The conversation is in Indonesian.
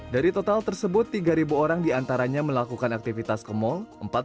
dari total tersebut tiga orang diantaranya melakukan aktivitas ke mal